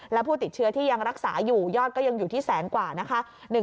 และผู้ติดเชื้อที่ยังรักษาอยู่ยอดก็ยังอยู่ที่แสนกว่านะคะ